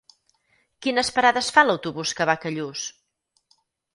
Quines parades fa l'autobús que va a Callús?